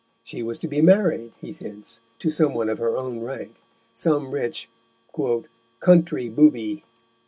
She was to be married, he hints, to some one of her own rank some rich "country booby."